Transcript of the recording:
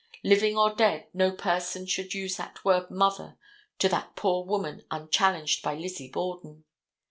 Living or dead, no person should use that word mother to that poor woman unchallenged by Lizzie Borden.